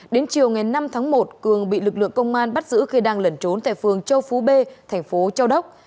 đến chiều ngày năm tháng một cường bị lực lượng công an bắt giữ khi đang lẩn trốn tại phường châu phú b thành phố châu đốc